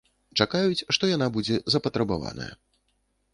Чакаюць, што яна будзе запатрабаваная.